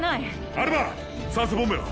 アルバ酸素ボンベは？